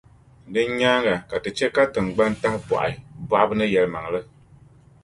Din nyaaŋa, ka Ti chɛ ka tiŋgbani tahibɔɣi, bɔɣibu ni yɛlimaŋli.